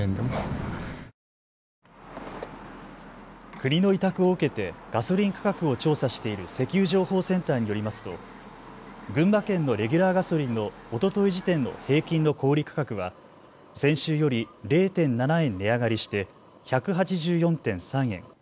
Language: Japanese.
国の委託を受けてガソリン価格を調査している石油情報センターによりますと群馬県のレギュラーガソリンのおととい時点の平均の小売価格は先週より０．７円値上がりして１８４．３円。